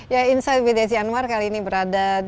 ya insight wdc anwar kali ini berada di kawasan